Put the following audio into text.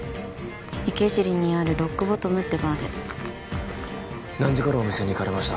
池尻にあるロックボトムってバーで何時頃お店に行かれました？